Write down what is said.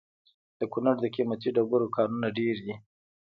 د کونړ د قیمتي ډبرو کانونه ډیر دي